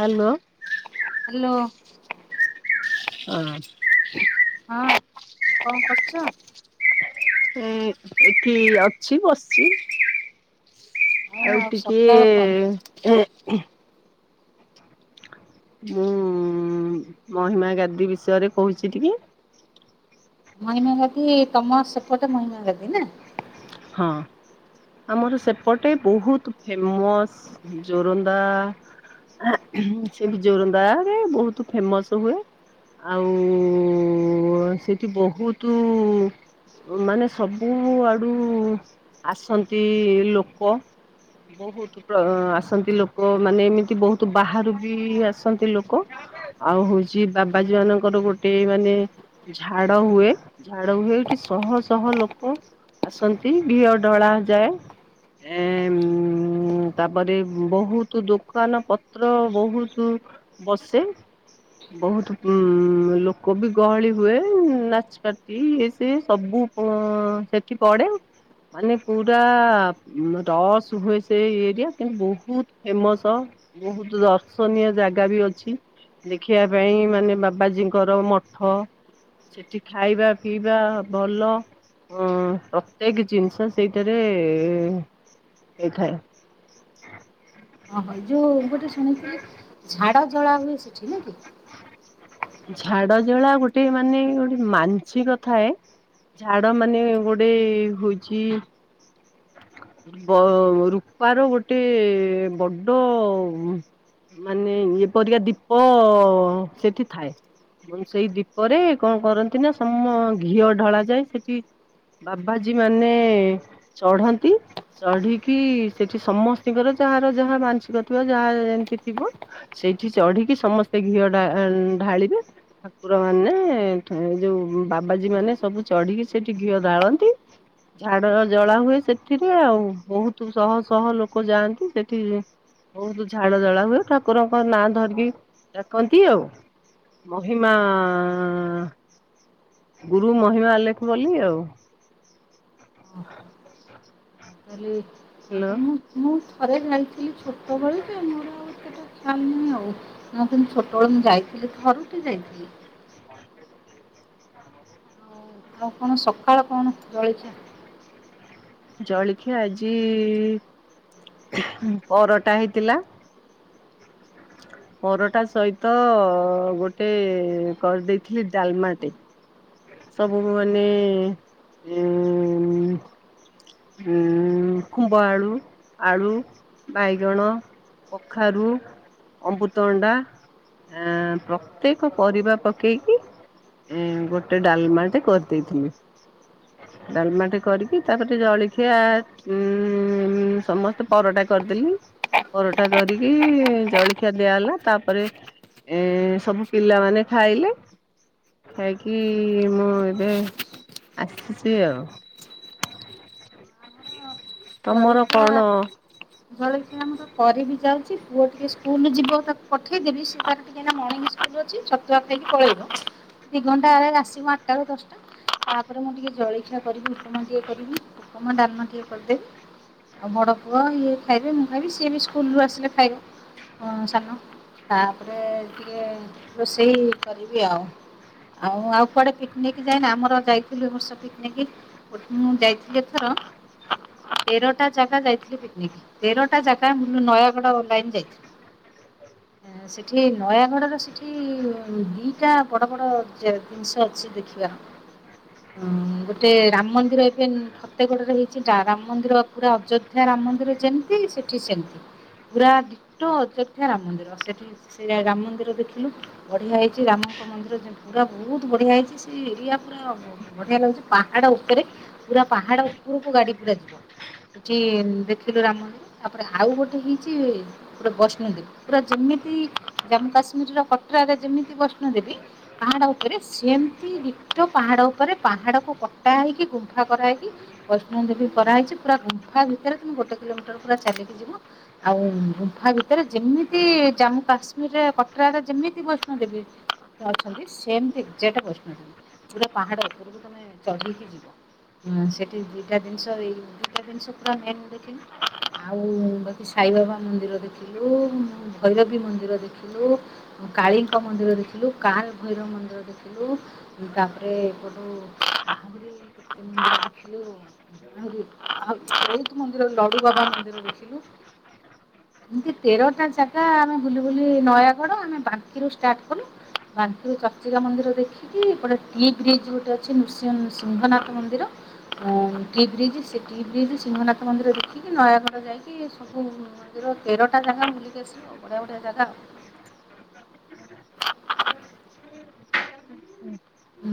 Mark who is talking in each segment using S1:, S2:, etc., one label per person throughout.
S1: Hello.
S2: Hello.
S1: ଆଁ।
S2: ହଁ କଣ କରୁଚ?
S1: ଉୁଁ ଏଠି ଅଛି ବସିଚି। ଆଉ ଟିକେ ହେଁ ହୁଁ ମୁଁ ମହିମାଗାଦି ବିଷୟରେ କହୁଚି ଟିକେ।
S2: ମହିମା ଗାଦି ତମ ସେପଟେ ମହିମାଗାଦି ନା।
S1: ହଁ। ଆମର ସେପଟେ ବୋହୁତ ଫେମସ୍ ଜୋରନ୍ଦା। ସେ ବି ଜୋରନ୍ଦା ରେ ବହୁତ ଫେମସ ହୁଏ। ଆଉ ସେଠି ବହୁତୁ ମାନେ ସବୁ ଆଡୁ ଆସନ୍ତି ଲୋକ। ବହୁତୁ ଆସନ୍ତି ଲୋକ ମାନେ ଏମିତି ବହୁତ ବାହାରୁ ବି ଆସନ୍ତି ଲୋକ। ଆଉ ହୋଉଚି ବାବାଜୀ ମାନଙ୍କର ଗୋଟିଏ ମାନେ ଝାଡ ହୁଏ ଝାଡ ହୁଏ ଏଠି ଶହ ଶହ ଲୋକ ଆସନ୍ତି ଘିଅ ଢଳା ଯାଏ। ଏ ତାପରେ ବୋହୁତୁ ଦୋକାନ ପତ୍ର ବୋହୁତୁ ବସେ। ବୋହୁତୁ ଉଁ ଲୋକ ବି ଗହଳି ହୁଏ ନାଚପଟି ଇଏ ସିଏ ସବୁ ଓ ସେଠି ପଡେ। ମାନେ ପୁରୁ ରସ୍ ହୁଏ ସେ ଏରିଆ କିନ୍ତୁ ବୋହୁତୁ ଫେମସ। ବୋହୁତୁ ଦର୍ଶନୀୟ ଜାଗା ବି ଅଛି। ଦେଖିବା ପାଇଁ ମାନେ ବାବାଜୀଙ୍କର ମଠ ସେଠି ଖାଇବା ପିଇବା ଭଲ ଅଁ ପ୍ରତ୍ୟେକ୍ ଜିନ୍ଷ ସେଇଠାରେ ହେଇଥାଏ।
S2: ଓ ହ ଯୋଉ ଗୋଟେ ଶୁଣିଥିଲି ଝାଡ଼ ଜଳା ହୁଏ ସେଠି ନା କି
S1: ଝାଡ ଜଳା ଗୋଟେ ମାନେ ଗୋଟେ ମାନସିକ ଥାଏ। ଝାଡ ମାନେ ଗୋଟେ ହୋଉଛି ବ ରୂପାର ଗୋଟେ ବଡ ମାନେ ଏପରିକ ଦୀପ ସେଠି ଥାଏ। ସେଇ ଦୀପରେ କଁ କରନ୍ତି ନା ସମ ଘିଅ ଢଳା ଯାଏ ସେଠି ବାବାଜୀ ମାନେ ଚଢନ୍ତି। ଚଢିକି ସେଠି ସମସ୍ତତିଙ୍କର ଯାହାର ଯାହା ମାନସିକ ଥଥିବା ଯାହା ଏମିତି ଥିବ ସେଇଠି ଚଢିକି ସମସ୍ତେ ଘିଅ ବା ଢାଳିବେ। ଠାକୁର ମାନେ ଏ ଯୋଉ ବାବାଜୀ ମାନେ ସବୁ ଚଢିକି ସେଇଠି ଘିଅ ଡାଳନ୍ତି। ଝାଡ ଜଳା ହୁଏ ସେଥିରେ ଆଉ ବୋହୁତୁ ଶହ ଶହ ଲୋକ ଯାଆନ୍ତି, ସେଠି ବଞହୁତୁ ଝାଡ଼ ଜାଳା ହୁଏ ଠାକୁରଙ୍କ ନାଁ ଧରିକି ଡାକନ୍ତି ଆଉ। ମହିମା, ଗୁରୁ ମହିମା ଆଲେଖ ବୋଲି ଆଉ।
S2: ନାଲି
S1: ହ୍ୟାଲୋ
S2: ହଁ ମୁଁ ମୁଁ ଥରେ ଯାଇଥିଲି ଛୋଟବେଳେ ଯେ ମୋର ଆଉ ସେଟା ଖିଆଲ୍ ନାହିଁ ଆଉ। ନାଁ ତ ମୁଁ ଛୋଟବେଳେ ମୁଁ ଯାଇଥିଲି ଥରୁଟେ ଯାଇଥିଲି। ଆଉ ଆଉ କଣ ସକାଳ କଣ ଜଳିଖିଆ
S1: [unintelligible] ଜଳିଖିଆ ଆଜି ପରଟା ହେଇଥିଲା। ପରଟା ସହିତ ଗୋଟେ କରିଦେଇଥିଲି ଡାଲ୍ମାଟେ ସବୁ ମାନେ ଏଁ ହୁଁ କୁମ୍ଭ ଆଳୁ, ଆଳୁ, ବାଇଗଣ କଖାରୁ, ଅମୃତଣ୍ଡା ଆଁ ପ୍ରତ୍ୟେକ ପରିବା ପକେଇକି ଏଁ ଗୋଟେ ଡାଲ୍ମାଟେ କରିଦେଇଥିଲି ଡାଲ୍ମାଟେ କରିକି ତାପରେ ସେ ଜଳଖିଆ ଉଁ ସମସ୍ତେ ପରଟା କରିଦେଲି। ପରଟା କରିକି ଜଳଖିଆ ଦିଆ ହେଲା ତାପରେ ଏଁ ସବୁ ପିଲାମାନୋନେ ଖାଇଲେ। ଖାଇକି ମୁଁ ଏବେ ଆସିଛି ଆଉ। ତମର କଣ
S2: ଜଳିଖିଆ ଜଳିଖି ଆମର କରିବି ଯାଉଚି ପୁଅ ଟିକେ ସ୍କୁଲ୍ ଯିବ ତାକୁ ପଠେଇଦେବି ସିଏ ତାର ଏଇନା ମର୍ଣ୍ଣିଂ ସ୍କୁଲ ଅଛି ଛତୁଆ ଖାଇକି ପଳେଇବ ଦି ଘଣ୍ଟାରେ ଆସିବ ଆଠଟା ରୁ ଦଶଟା। ତାପରେ ମୁଁ ଟିକେ ଜଳିଖିଆ କରିବି ଉପମା ଟିଏ କରିବି ଉପମା ଡାଲମା ଟିଏ କରଦେବି। ଆଉ ବଡ ପୁଅ ଇଏ ଖାଇବେ ମୁଁ ଖାଇବି ସିଏ ବି ସ୍କୁଲରୁ ଆସିଲେ ଖାଇବ। ହ ସାନ ତାପରେ ଟିକେ ରୋଷେଇ କରିବି ଆଉ। ଆଉ ଆଉ କୁଆଡେ ପିକନିକ୍ ଯାଇନା ଆମର ଯାଇଥିଲୁ ବର୍ଷ ପିକନିକ୍? ଗୋ ମୁଁ ଯାଇଥିଲି ଏଥର ତେରଟା ଜାଗା ଯାଇଥିଲି ପିକନିକ୍ ତେରଟା ଜାଗା ମୁଁ ନୟାଗଡ଼ ଲାଇନ ଯାଇଥିଲି।
S1: ହଉ
S2: ସେଠି ନୟାଗଡ଼ରେ ସେଠି ଦିଟା ବଡ ବଡ ଯେ ଜିନିଷ ଅଛି ଦେଖିବାର। ହଁ ଗୋଟେ ରାମ ମନ୍ଦିର ଏବେ ଫତେଗଡରେ ହେଇଛି ଟା ରାମ ମନ୍ଦିର ପୁରା ଅଯୋଧ୍ୟା ରାମ ମନ୍ଦିର ଯେମତି ସେଠି ସେମିତି। ପୁରା ଡିଟୋ ଆଯୁଧ୍ୟା ରାମ ମନ୍ଦିର ସେଠି ସେ ରାମ ମନ୍ଦିର ଦେଖିଲୁ। ବଢିଆ ହେଇଛି ରାମଙ୍କ ମନ୍ଦିର ଯେମ୍ ପୁରା ବହୁତ ବଢିଆ ହେଇଛି ସେ ଏରିଆ ପୁରା ବଢିଆ ଲାଗୁଛି ପାହାଡ ଉପରେ ପୁରା ପାହାଡ ଉପରକୁ ଗାଡି ପୁରା ଯିବ। ସେଠି ଦେଖିଲୁ ରାମନ୍ଦିର ତାପରେ ଆଉ ଗୋଟେ ହେଇଛି। ପୁରା ବୈଷ୍ଣବ ଦେବୀ ପୁରା ଯେମିତି ଜାମ୍ମୁ କାଶ୍ମୀରର କଟରାରେ ଯେମିତି ବୈଷ୍ଣବ ଦେବୀ ପାହାଡ ଉପରେ ସେମତି ଡିଟୋ ପାହାଡ ଉପରେ ପାହାଡକୁ କଟା ହେଇକି ଗୁମ୍ଫା କରାହେଇକି ବୈଷ୍ଣବ ଦେବୀ କରାହେଇଛି ପୁରା ଗୁମ୍ଫା ଭିତରେ ତୁମେ ଗୋଟେ କିଲୋମିଟର ପୁରା ଚାଲିକି ଯିବ। ଆଉ ଗୁମ୍ଫା ଭିତରେ ଯେମିତି ଜାମ୍ମୁ କାଶ୍ମୀରରେ କଟରା ରେ ଯେମିତି ବୈଷ୍ଣବ ଦେବୀ ଅଛନ୍ତି ସେମତି ଏକ୍ସାକ୍ଟ ବୈଷ୍ଣବ ଦେବୀ ଗୋଟେ ପାହାଡ ଉପରକୁ ତମେ ଚଢିକି ଯିବ। ହଁ ସେଠି ଦିଟା ଜିନିଷ ଏଇ ଦିଟା ଜିନିଷ ପୁରା ମେନ ଦେଖି ଆଉ ବାକି ସାଇବାବା ମନ୍ଦିର ଦେଖି ଦେଖିଲୁ ଭୈରବୀ ମନ୍ଦିର ଦେଖିଲୁ। କାଳୀଙ୍କ ମନ୍ଦିର ଦେଖିଲୁ କାର ଭୈରବ ମନ୍ଦିର ଦେଖିଲୁ। ତାପରେ ଏପଟୁ [unintelligible] ଆଉ ବହୁତ ମନ୍ଦିର ଲବୁ ବାବା ମନ୍ଦିର ଦେଖିଲୁ। ଏମତି ତେରଟା ଜାଗା ଆମେ ବୁଲି ବୁଲି ନୟାଗଡ ଆମେ ବାଙ୍କିରୁ ଷ୍ଟାର୍ଟ କଲୁ। ବାଙ୍କୀ ରୁ ଚର୍ଚିକା ମନ୍ଦିର ଦେଖି ଦେଖିକି ଏପଟେ ଟି ବ୍ରିଜ ଗୋଟେ ଅଛି ନୃସିଂ ସିଂହନାଥ ମନ୍ଦିର। ହଁ ଟି ବ୍ରିଜ ଟି ବ୍ରିଜ ସିଂହନାଥ ମନ୍ଦିର ଦେଖିକି ନୟାଗଡ଼ ଯାଇକି ସବୁ ମନ୍ଦିର ତେରଟା ଜାଗା ବୁଲିକି ଆସି ବଢିଆ ବଢିଆ ଜାଗା।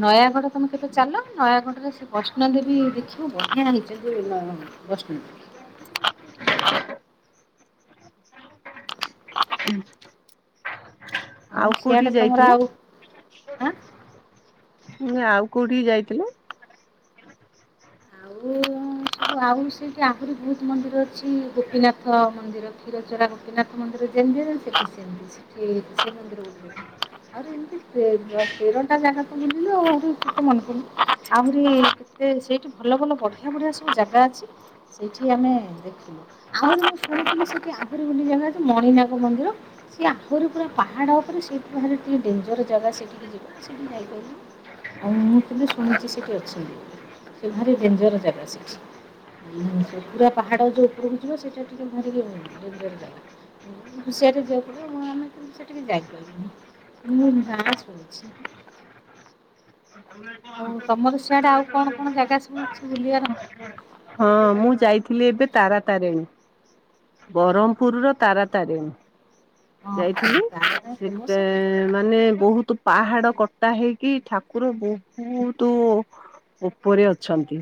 S2: ନୟାଗଡ ତମେ କେବେ ଚାଲ ନୟାଗଡ଼ରେ ସେ ବୈଷ୍ଣବ ଦେବୀ ଦେଖିବ ବଢିଆ ହେଇଛନ୍ତି ନୟାଗଡ଼। ବୈଷ୍ଣବ ଦେବୀ।
S1: ହୁଁ
S2: ଆଉ ସିଆଡେ ତମର ଆଉ ଆଁ
S1: ହ ମୁଁ ଆଉ କୋଉଠି ଯାଇଥିଲି?
S2: ଆଉ ଆଉ ସେଇଠି ଆହୁରି ବହୁତ ମନ୍ଦିର ଅଛି ଗୋପୀନାଥ ମନ୍ଦିର କ୍ଷୀର ଚୋରା ଗୋପିନାଥ ମନ୍ଦିର ଯେମିତି ସେଠି ସେମିତି ସେଠି ସେ ମନ୍ଦିର ଗୋଟେ। ଦେଖିବୁ
S1: [unintelligible]
S2: ଆହୁରି ଏମିତି ତେ ଦ ତେରଟା ଜାଗା ତ ବୁଲିଲୁ ଆଉ ଆହୁରି ମନେପଡୁନି ଆହୁରି ସେ ସେଇଠି ଭଲ ଭଲ ବଢିଆ ବଢିଆ ସବୁ ଜାଗା ଅଛି ସେଇଠି ଆମେ ଦେଖିଲୁ। ଆହୁରି ମୁଁ ଶୁଣିଥିଲି ସେଠି ଆହୁରି ବୁଲି ଜାଗାଅଛି ମଣିନାଗ ମନ୍ଦିର। ସେ ଆହୁରି ପୁରା ପାହାଡ ଉପରେ ସେଠୁ ଭାରି ଟିକେ ଡେଞ୍ଜର ଜାଗା ସେଠିକି ଯିବା ସେଠି ଯାଇପାରିଲୁନି। ଆଉ ମୁଁ ଥିଲି ଶୁଣିଛି ସେଠି ଅଛନ୍ତି। ସେ ଭାରି ଡେଞ୍ଜର ଜାଗା ସେଠି। ପୁରା ପାହାଡ ଯୋଉ ଉପରକୁ ଯିବେ ସେଇଟା ଟିକେ ଭାରି ଇଏ ଆଉ ଡେଞ୍ଜର ଜାଗା। ହୁସିଆର ରେ ଯିବାକୁ ପଡିବ, ମୁଁ ଆମେ ସେଠିକ ଯାଇପାରଲୁ ମୁ ନାଁ ଶୁଣ? ଆଉ ତମର ସିଆଡ଼େ ଆଉ କ'ଣ
S1: [unintelligible]
S2: କଣ ଜାଗା ସବୁ ଅଛି ବୁଲିବାର?
S1: ହଁ ମୁଁ ଯାଇଥିଲି ଏବେ ତାରାତାରିଣୀ। ବ୍ରହ୍ମପୁର ର
S2: ହଁ
S1: ତାରାତାରିଣୀ ଯାଇଥିଲି
S2: ତାରା ଫେମସ୍
S1: ସେତ ମାନେ ବହୁତ ପାହାଡ କଟା ହେଇକି, ଠାକୁର ବହୁତୁ ଉ ଉପରେ ଅଛନ୍ତି।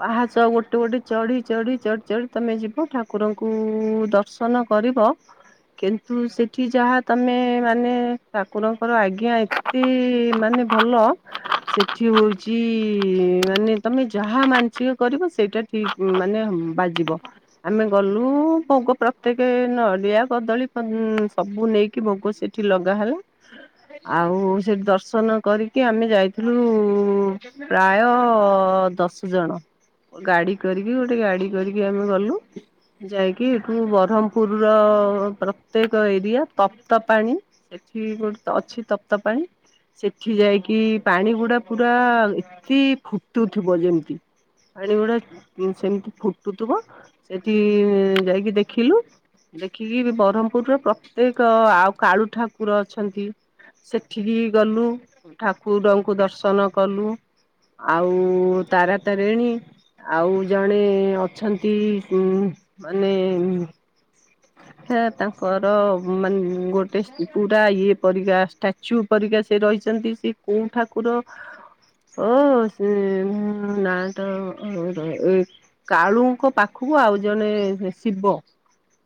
S1: ପାହାଚ ଗୋଟେ ଗୋଟେ ଚଢି ଚଢି ଚଢି ଚଢି ତମେ ଯିବ, ଠାକୁରଙ୍କୁ କୁ ଦର୍ଶନ କରିବ। କିନ୍ତୁ ସେଠି ଯାହା ତମେ ମାନେ ଠାକୁରଙ୍କର ଆଜ୍ଞା ମାନେ ଭଲ। ସେଠି ହଉଛି ମାନେ, ତମେ ଯାହା ମାନସିକ କରିବ ସେଇଟା ଠିକ ମାନେ ବାଜିବ, ଆମେ ଗଲ ଭୋଗ ପ୍ରତ୍ୟକ ନଡ଼ିଆ କଦଳୀ ସବୁ ନେଇକି ଭୋଗ ସେଠି ଲଗା ହେଲା। ଆଉ ସେଠି ଦର୍ଶନ କରିକି ଆମେ ଯାଇଥିଲୁ ପ୍ରାୟ ଦଶ ଦଶ ଜଣ ଗାଡି କରିକି ଗୋଟେ ଗାଡି କରିକି ଆମେ ଗଲୁ। ଯାଇକି ଏଠୁ ବ୍ରହ୍ମପୁର ର ପ୍ରତ୍ୟେକ ଏରିଆ ତପ୍ତ ପାଣି ସେଠି ଗୋଟେ ଅଛି ତପ୍ତ ପାଣି। ସେଠି ଯାଇକି ପାଣି ଗୁଡା ପୁରା ଏତେ ଫୁଟୁଥିବ ଯେମିତି ପାଣି ଗୁଡା ସେମିତି ଫୁଟୁଥିବ, ସେଠି ଯାଇକି ଦେଖିଲୁ। ଦେଖିକି ବ୍ରହମପୁର ର ପ୍ରତ୍ୟେକ ଆଉ କାଳୁ ଠାକୁର ଅଛନ୍ତି। ସେଠିକି ଗଲୁ, ଠାକୁରଙ୍କୁ ଦର୍ଶନ କଲୁ। ଆଉ ତାରା ତାରିଣୀ ଆଉ ଜଣେ ଅଛନ୍ତି ଉଁ ମାନେ ସେ ତାଙ୍କର ମାନେ ଗୋଟେ ପୁରା ଇଏ ପରିକା ଷ୍ଟାଚୁ ପରିକା ସେ ରହିଛନ୍ତି, ସେ କଉଁ ଠାକୁର ଓ ନା ତ କାଳୁଙ୍କ ପାଖକୁ ଆଉ ଜଣେ ଶିବ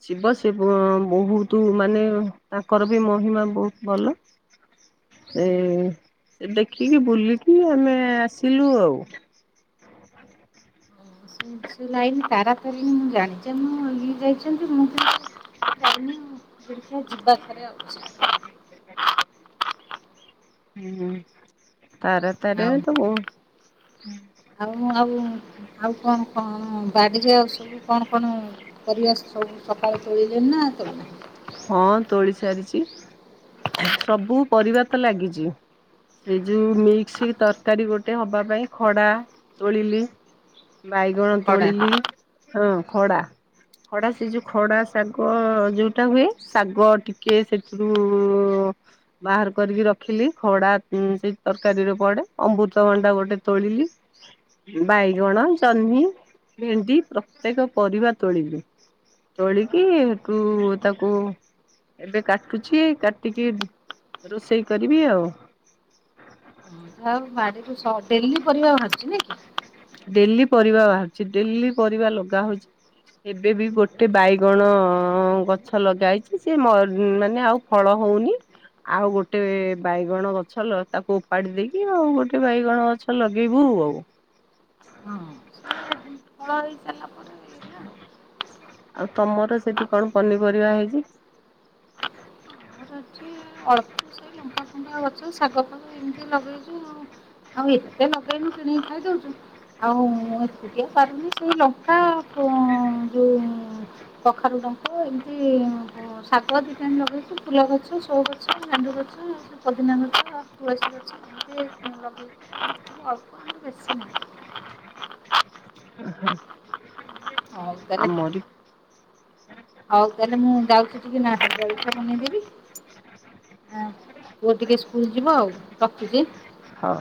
S1: ଶିବ ସେ ବହୁତ ମାନେ ତାଙ୍କର ବି ମହିମା ବହୁତ ଭଲ। [inaudible] ଏ ଦେଖିକି, ବୁଲିକି, ଆମେ ଆସିଲୁ ଆଉ। [inaudible]
S2: ଲାଇନ ତାରାତାରିଣୀ ମୁଁ ଜାଣିଛି ମୁଁ ଇଏ ଯାଇଛନ୍ତି ମୁଁ ଯାଇନି ଆଖି ଯିବା ଥରେ ଆଉ।
S1: ହୁଁ ତାରା
S2: ଆଉ
S1: ତାରିଣୀ ତ ବହୁତ
S2: ଆଉ ଆଉ ଆଉ କଣ କଣ ବାଡିରେ ଆଉ ସବୁ କଣ କଣ ପର ସବୁ ସକାଳେ ତୋଳିଲେଣି ନା ତୋଳିନାହିଁ।
S1: ହଁ ତୋଳି ସାରିଛି, ସବୁ ପରିବା ତ ଲାଗିଛି। ସେଇ ଯୋଉ ମିକ୍ସ ତରକାରୀ ଗୋଟେ ହବା ପାଇଁ ଖଡା ତୋଳିଲି। ବାଇଗଣ
S2: ଖଡା।
S1: ତୋଳିଲି ହଁ, ଖଡା ଖଡା ସେ ଯୋଉ ଖଡା କ ଯୋଉଟା ହୁଏ, ଶାଗ ଟିକେ ସେଥିରୁ ବାହାର କରିକି ରଖିଲି, ଖଡା ସେ ତରକାରୀରେ ପଡେ, ଅମୃତଭଣ୍ଡା ଗୋଟେ ତୋଳିଲି। ବାଇଗଣ, ଜହ୍ନି, ଭେଣ୍ଡି ପ୍ରତ୍ୟେକ ପରିବା ତୋଳିବି। ତୋଳିକି ହେଟୁ ତାକୁ ଏବେ କାଟୁଛି କାଟିକି, ରୋଷେଇ କରିବି ଆଉ। [inaudible]
S2: ଆଉ ବାଡିରୁ ଡେଲି ପରିବା ବାହାରିଛି ନ କି?
S1: ଡେଲି ପରିବା ବାହାରୁଛି, ଡେଲି ପରିବା ଲଗା ହଉଛି। ଗଣ ଗଛ ଲଗା ହେଇଛି ସେ ମାନେ ଆଉ ଫଳ ହଉନି। ଆଉ ଗୋଟେ ବାଇଗଣ ଗଛ ତାକୁ ଉପାଡି ଦେଇକି, ଆଉ ଗୋଟେ ବାଇଗଣ ଗଛ ଲଗେଇବୁ ଆଉ।
S2: ହଁ ସେ
S1: [inaudible]
S2: ଫଳ ହେଇ ସାରିଲା ପରେ ଆଉ।
S1: ଆଉ ତମର ସେଠି କଣ ପନିପରିବା ହେଇଛି?
S2: ଆମର ଏଠି ଅଳ୍ପ ସେ ଲଙ୍କା ଫଙ୍କା ଗଛ ଶାଗ ଫାଗ ଏମିତି ଲଗେଇଚୁ ଆଉ। ଆଉ ଏତେ ଲଗେଇନୁ କିଣିକି ଖାଇଦଉଛୁ ଆଉ ଏକୁଟିଆ ପାରୁନି ସେଇ ଲଙ୍କା ଯୋଉ କଖାରୁ ଡଙ୍କ ଏମିତି ଶାଗ ଦିଟାଆଣି ଲଗେଇଛୁ ଫୁଲ ଗଛ। ସୋ ଗଛ ଗେଣ୍ଡୁ ଗଛ ପୋଦିନା ଗଛ ଆଉ ତୁଳସୀ ଗଛ। [unintelligible]
S1: [inaudible]
S2: ହଉ ତାହେଲେ।
S1: ଆମରି
S2: ହଉ ତାହେଲେ ମୁଁ ଯାଉଛି ଟିକେ ନା ଜଳଖିଆ ବନେଇଦେବି। ପୁଅ ଟିକେ ସ୍କୁଲ ଯିବ ଆଉ ରଖୁଛି।
S1: ହଉ।